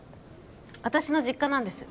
私の実家なんです